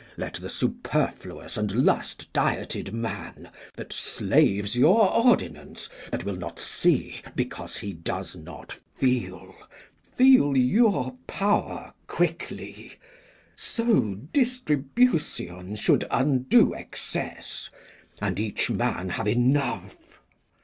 Let the superfluous and lust dieted man, That slaves your ordinance, that will not see Because he does not feel, feel your pow'r quickly; So distribution should undo excess, And each man have enough.